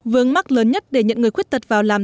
vương mắc lớn nhất để nhận người khuyết tật vào làm